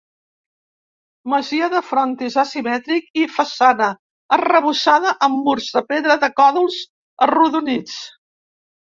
Masia de frontis asimètric i façana arrebossada amb murs de pedra de còdols arrodonits.